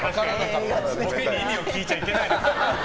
ボケに意味を聞いちゃいけないですから。